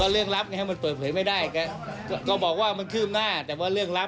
เรื่องลับไงมันเปิดเผยไม่ได้ก็บอกว่ามันคืบหน้าแต่ว่าเรื่องลับ